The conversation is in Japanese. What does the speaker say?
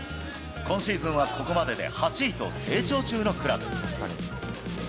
今シーズンはここまでで８位と成長中のクラブ。